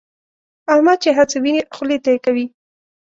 احمد چې هرڅه ویني خولې ته کوي یې.